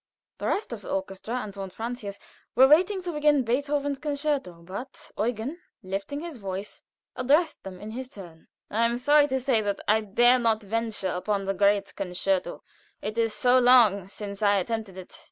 The rest of the orchestra and von Francius were waiting to begin Beethoven's Concerto; but Eugen, lifting his voice, addressed them in his turn: "I am sorry to say that I dare not venture upon the great Concerto; it is so long since I attempted it.